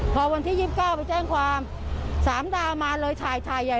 พอวันที่๒๙ไปแจ้งความ๓ดาวมาเลยถ่ายใหญ่